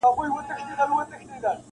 څونه ښکلی معلومېږي قاسم یاره زولنو کي-